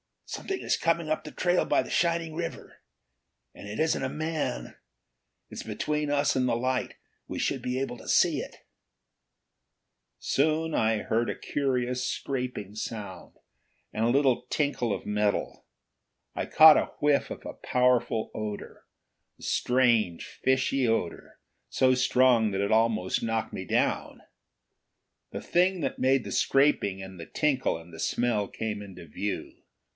"Something is coming up the trail by the shining river. And it isn't a man! It's between us and the light; we should be able to see it." Soon I heard a curious scraping sound, and a little tinkle of metal. I caught a whiff of a powerful odor a strange, fishy odor so strong that it almost knocked me down. The thing that made the scraping and the tinkle and the smell came into view.